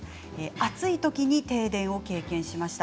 暑い時に停電を経験しました。